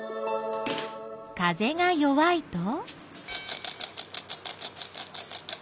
風が弱いと？